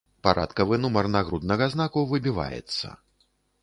Парадкавы нумар нагруднага знаку выбіваецца.